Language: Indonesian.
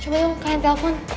coba yuk kalian telpon